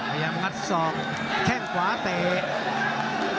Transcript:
พยายามงัดสอบแข่งขวาเตะ